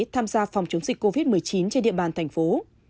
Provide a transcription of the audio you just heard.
tham gia phòng chống dịch covid một mươi chín trên địa bàn thành phố